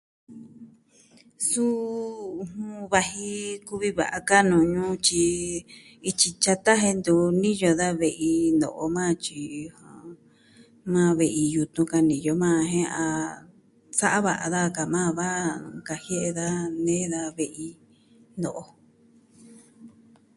Suu, vaji kuvi va'a ka'nu ñuu, tyi ityi tyata jen ntu niyo da ve'i no'o na, tyi maa ve'i yutun ka niyo maa jen a... sa'a va'a daja ka majan. Nkajie'e daja nee da ve'i no'o.